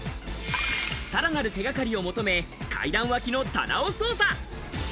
さらなる手掛かりを求め、階段脇の棚を捜査。